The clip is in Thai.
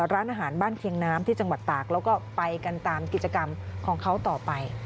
ร้านอาหารบ้านเคียงน้ำที่จังหวัดตากแล้วก็ไปกันตามกิจกรรมของเขาต่อไป